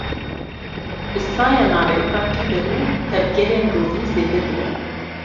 Bi saya naveroka fîberê, tevgerên rûvî zêde dibe.